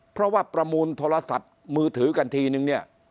เพราะว่าประมูลโทรศัพท์มือถือกันทีนึงเนี่ย